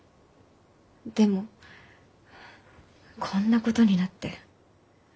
でもこんなことになって。